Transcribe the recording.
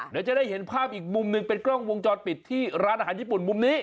เดี๋ยวจะได้เห็นภาพอีกมุมหนึ่งเป็นกล้องวงจรปิดที่ร้านอาหารญี่ปุ่นมุมนี้